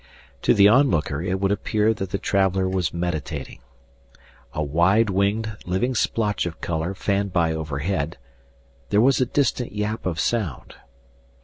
To the onlooker it would appear that the traveler was meditating. A wide winged living splotch of color fanned by overhead; there was a distant yap of sound.